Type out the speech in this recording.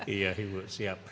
iya bu siap